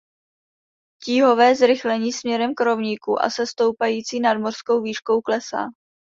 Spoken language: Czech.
Tíhové zrychlení směrem k rovníku a se stoupající nadmořskou výškou klesá.